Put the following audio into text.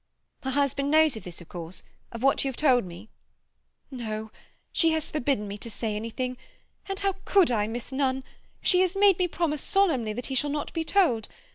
"Her husband knows of this, of course—of what you have told me?" "No. She has forbidden me to say anything—and how could I, Miss Nunn? She has made me promise solemnly that he shall not be told.